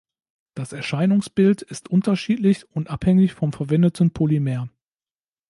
Das Erscheinungsbild ist unterschiedlich und abhängig vom verwendeten Polymer.